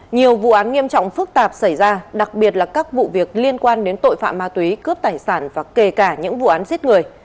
nhiều vụ án nghiêm trọng phức tạp xảy ra đặc biệt là các vụ việc liên quan đến tội phạm ma túy cướp tài sản và kể cả những vụ án giết người